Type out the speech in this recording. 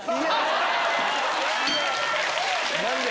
・何で？